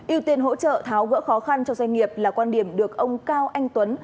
yêu tiền hỗ trợ tháo gỡ khó khăn cho doanh nghiệp là quan điểm được ông cao anh tuấn